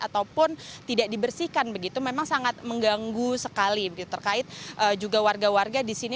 ataupun tidak dibersihkan begitu memang sangat mengganggu sekali terkait juga warga warga di sini